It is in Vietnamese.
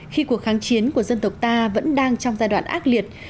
khi cuộc kháng chiến của dân tộc ta vẫn đang trong giai đoạn ác liệt